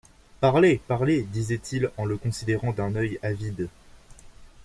Parlez! parlez ! disaient-ils en le considérant d’un œil avide.